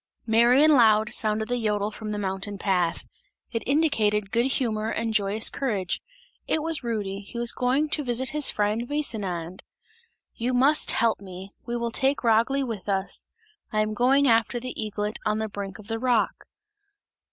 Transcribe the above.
Merry and loud sounded the jodel from the mountain path, it indicated good humour and joyous courage; it was Rudy; he was going to his friend Vesinand. "You must help me! We will take Ragli with us; I am going after the eaglet on the brink of the rock!"